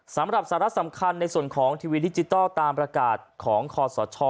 สำหรับสาระสำคัญในส่วนของทีวีดิจิทัลตามประกาศของคอสช